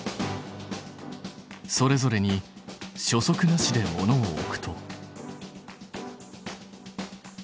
それぞれに初速なしで物を置くと。